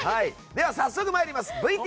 では早速参ります。